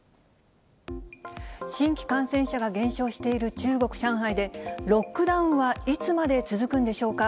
新規感染者が減少している中国・上海で、ロックダウンはいつまで続くんでしょうか。